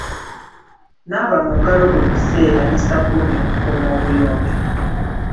Naaba mu ngalo buli kiseera ne sabbuuni okukuuma obuyonjo.